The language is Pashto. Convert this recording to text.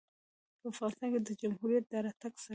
په افغانستان کې د جمهوریت د راتګ سره